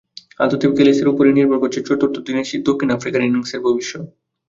আদতে ক্যালিসের ওপরই নির্ভর করছে চতুর্থ দিনের দক্ষিণ আফ্রিকার ইনিংসের ভবিষ্যত।